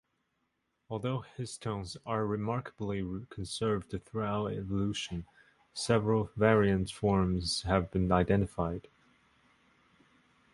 Although histones are remarkably conserved throughout evolution, several variant forms have been identified.